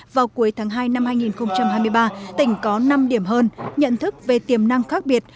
vào cuối tháng hai năm hai nghìn hai mươi ba tỉnh có năm điểm hơn nhận thức về tiềm năng khác biệt